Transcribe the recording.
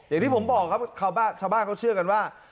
อย่างที่ผมบอกครับชาวบ้านเขาเชื่อกันว่า